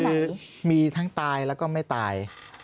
คือมีทั้งตายแล้วก็ไม่ตาย